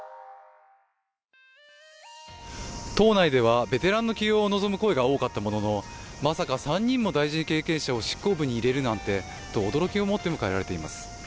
党内ではベテランの起用を望む声が多かったもののまさか３人も大臣経験者を執行部に入れるなんてと驚きを持って迎えられています。